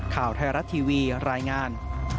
ข่าวไทยรัฐทีวีรายงาน